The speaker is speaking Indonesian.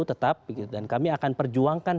tetap dan kami akan perjuangkan